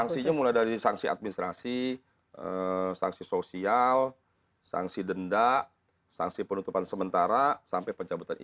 sanksinya mulai dari sanksi administrasi sanksi sosial sanksi denda sanksi penutupan sementara sampai pencabutan izin